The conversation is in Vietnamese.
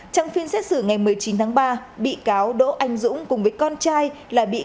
trong phiên xét xử ngày một mươi chín tháng ba bị cáo đỗ anh dũng cùng với con trai là bị